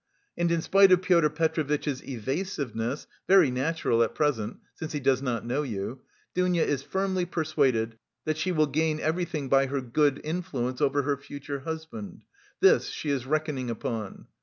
And in spite of Pyotr Petrovitch's evasiveness, very natural at present (since he does not know you), Dounia is firmly persuaded that she will gain everything by her good influence over her future husband; this she is reckoning upon.